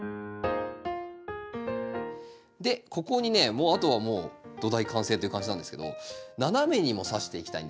でここにねあとはもう土台完成という感じなんですけど斜めにもさしていきたいんですよ。